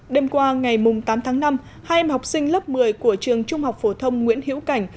đêm qua ngày tám tháng năm hai em học sinh lớp một mươi của trường trung học phổ thông nguyễn hiễu cảnh